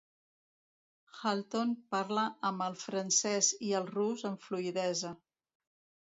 Halton parla amb el francès i el rus amb fluïdesa.